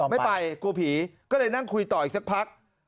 ไม่ไปกลัวผีก็เลยนั่งคุยต่ออีกสักพัก